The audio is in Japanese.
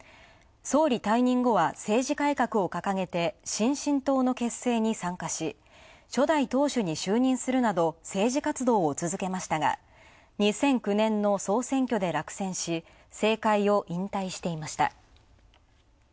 総理退任後は政治改革を掲げて新進党の結成に参加し初代党首に就任するなど政治活動を続けましたが、２００９年の総選挙で落選し政界を引退していました。